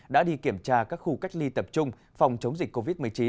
đã đi kiểm tra các khu cách ly tập trung phòng chống dịch covid một mươi chín